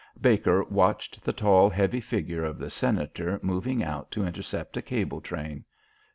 Baker watched the tall, heavy figure of the Senator moving out to intercept a cable train.